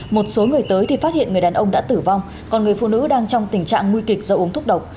một số người tới thì phát hiện người đàn ông đã tử vong còn người phụ nữ đang trong tình trạng nguy kịch do uống thuốc độc